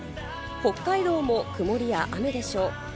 北海道も曇りや雨でしょう。